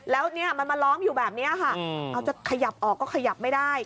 แล้วเนี่ยมันมาล้อมอยู่แบบนี้ค่ะเอาจะขยับออกก็ขยับไม่ได้